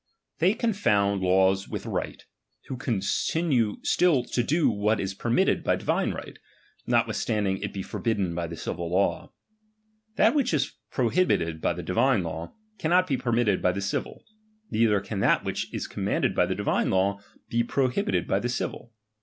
They confound laws with right, who con H * i *iue still to do what is permitted by divine right, r^ «3twithstanding it be forbidden by the civil law. T'liat which is prohibited by the divine law, can '^^ <r)t be permitted by the civil ; neither can that ^^"^^^liich is commanded by the divine law, be pro *^ ^bited hy the civil.